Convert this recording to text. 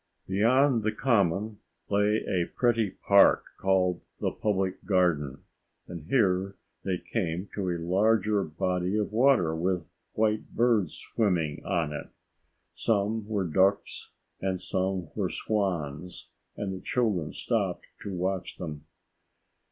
Beyond the Common lay a pretty park, called the Public Garden, and here they came to a larger body of water with white birds swimming on it. Some were ducks and some were swans, and the children stopped to watch them.